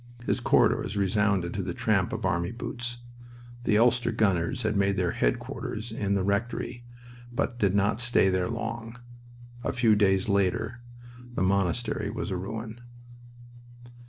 His corridors resounded to the tramp of army boots. The Ulster gunners had made their headquarters in the refectory, but did not stay there long. A few days later the monastery was a ruin.